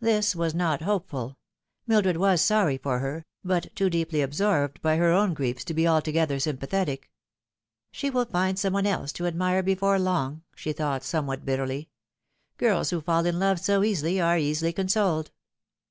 This was not hopeful. Mildred was sorry for her, but too deeply absorbed by her own griefs to be altogether sympathetic. *' She will find some one else to admire before long," she thought somewhat bitterly. " Girls who fall in love so easily are easily consoled."